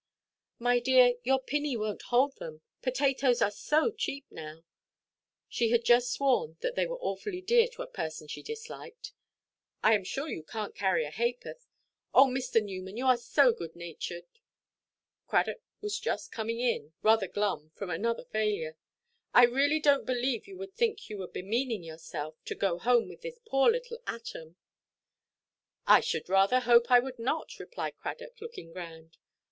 "My dear, your pinney wonʼt hold them, potatoes are so cheap now"—she had just sworn they were awfully dear to a person she disliked—"I am sure you canʼt carry a haʼporth. Oh, Mr. Newman, you are so good–natured"—Cradock was just coming in, rather glum from another failure—"I really donʼt believe you would think you were bemeaning yourself by going home with this poor little atom." "I should rather hope I would not," replied Cradock, looking grand.